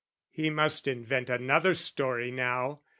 He must invent another story now!